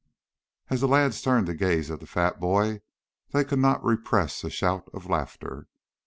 As the lads turned to gaze at the fat boy, they could not repress a shout of laughter.